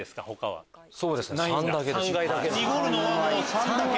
濁るのは３だけ。